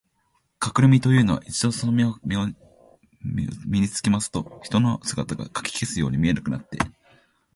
かくれみのというのは、一度そのみのを身につけますと、人の姿がかき消すように見えなくなって、